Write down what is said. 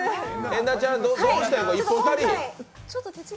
遠田ちゃん、どうしたの？